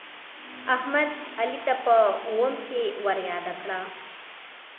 احمد، علي ته په اوم کې ورياده کړه.